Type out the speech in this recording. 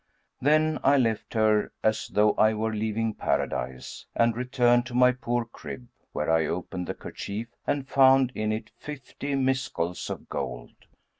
Then I left her, as though I were leaving Paradise, and returned to my poor crib where I opened the kerchief and found in it fifty miskals of gold.